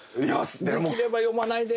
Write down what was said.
できれば読まないで！